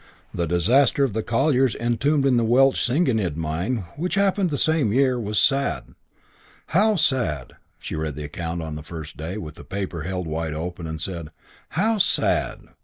The disaster of the colliers entombed in the Welsh Senghenydd mine which happened in the same year was sad. "How sad!" She read the account, on the first day, with the paper held up wide open and said "How sad!"